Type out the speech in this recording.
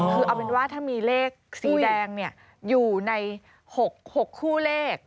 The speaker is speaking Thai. คือเอาเป็นว่าถ้ามีเลขสีแดงอยู่ใน๖คู่เลข